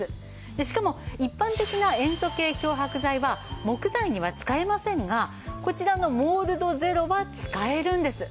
しかも一般的な塩素系漂白剤は木材には使えませんがこちらのモールドゼロは使えるんです。